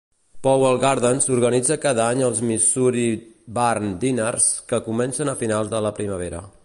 Powell Gardens organitza cada any els "Missouri Barn Dinners", que comencen a finals de la primavera.